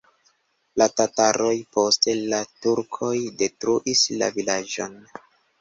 La tataroj, poste la turkoj detruis la vilaĝon.